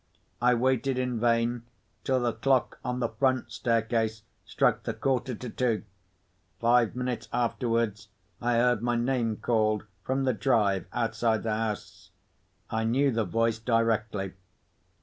I waited in vain till the clock on the front staircase struck the quarter to two. Five minutes afterwards, I heard my name called, from the drive outside the house. I knew the voice directly.